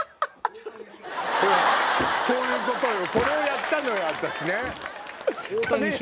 ほらこういうことよ。